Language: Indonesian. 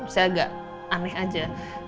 saya agak aneh aja